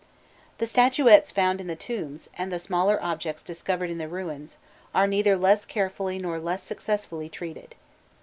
The statuettes found in the tombs, and the smaller objects discovered in the ruins, are neither less carefully nor less successfully treated.